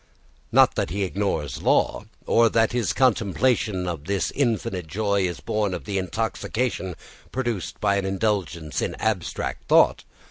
Not that he ignores law, or that his contemplation of this infinite joy is born of the intoxication produced by an indulgence in abstract thought.